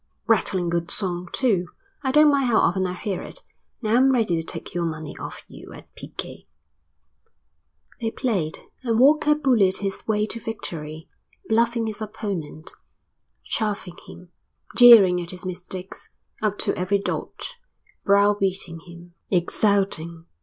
"A rattling good song too. I don't mind how often I hear it. Now I'm ready to take your money off you at piquet." They played and Walker bullied his way to victory, bluffing his opponent, chaffing him, jeering at his mistakes, up to every dodge, browbeating him, exulting.